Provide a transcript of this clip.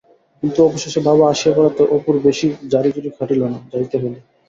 কিন্তু অবশেষে বাবা আসিয়া পড়াতে অপুর বেশি জারিজুরি খাটিল না, যাইতে হইল।